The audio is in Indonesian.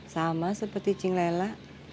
sama seperti cing lela